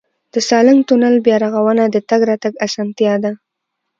د سالنګ تونل بیا رغونه د تګ راتګ اسانتیا ده.